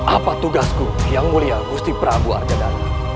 apa tugasku yang mulia gusti prabu arkedan